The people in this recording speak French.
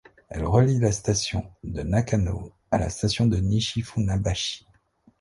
Elle relie la station de Nakano à la station de Nishi-Funabashi.